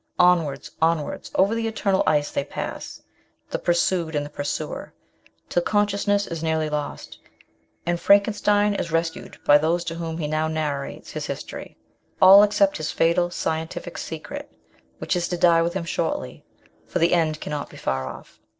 Onwards, onwards, over the eternal ice they pass, the pursued and the pursuer, till consciousness is nearly lost, and Frankenstein is rescued by those to whom he now narrates his history ; all except his fatal scientific secret, which is to die with him shortly, for the end cannot be far off.